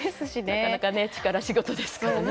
なかなか力仕事ですからね。